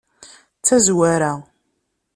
D tazwara.